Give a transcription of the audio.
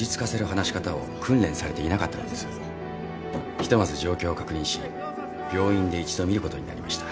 ひとまず状況を確認し病院で一度診ることになりました。